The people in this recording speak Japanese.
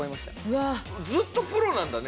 ずっとプロなんだね。